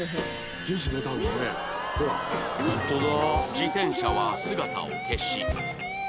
自転車は姿を消し